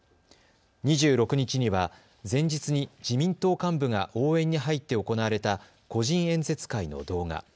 ２６日には前日に自民党幹部が応援に入って行われた個人演説会の動画。